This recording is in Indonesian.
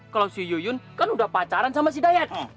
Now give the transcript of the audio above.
kalau si yuyun kan udah pacaran sama si dayat